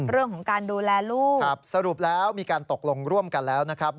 เรื่องของการดูแลลูกครับสรุปแล้วมีการตกลงร่วมกันแล้วนะครับ